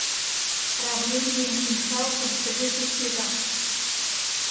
Правленийын пунчалжым тыге шуктеда?